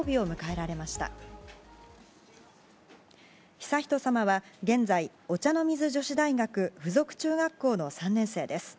悠仁さまは現在、お茶の水女子大学附属中学校の３年生です。